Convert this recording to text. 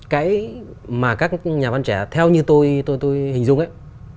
cái mà các nhà văn trẻ theo như tôi tôi hình dung ấy